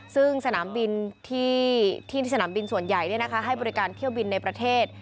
ซึ่งสนามบินที่สนามบินส่วนใหญ่ให้บริการเที่ยวบินในประเทศ